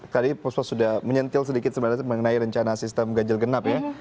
tadi pos pos sudah menyentil sedikit mengenai rencana sistem ganjil genap ya